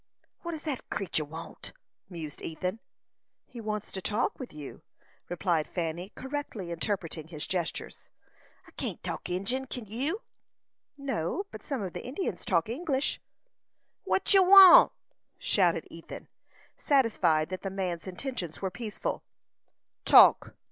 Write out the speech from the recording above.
"What does that creetur want?" mused Ethan. "He wants to talk with you," replied Fanny, correctly interpreting his gestures. "I can't talk Injin kin you?" "No; but some of the Indians talk English." "What ye want?" shouted Ethan, satisfied that the man's intentions were peaceful. "Talk!